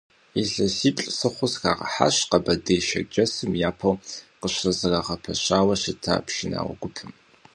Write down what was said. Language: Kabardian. ИлъэсиплӀ сыхъуу сыхагъэхьащ Къэрэшей-Шэрджэсым япэу къыщызэрагъэпэщауэ щыта пшынауэ гупым.